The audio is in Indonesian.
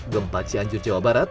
gempa cianjur jawa barat